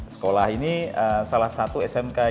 sekolah ini salah satu smk yang cukup besar